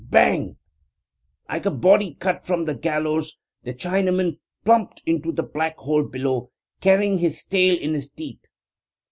Bang! Like a body cut from the gallows the Chinaman plumped into the black hole below, carrying his tail in his teeth.